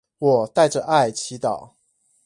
我帶著愛祈禱